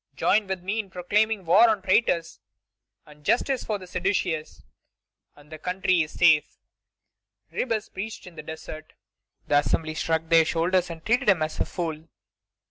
Join with me in proclaiming war on traitors and justice for the seditious, and the country is safe!" Ribes preached in the desert. The Assembly shrugged their shoulders and treated him as a fool.